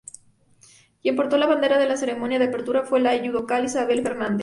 Quien portó la bandera en la ceremonia de apertura fue la yudoca Isabel Fernández.